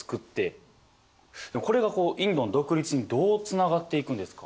でもこれがインドの独立にどうつながっていくんですか？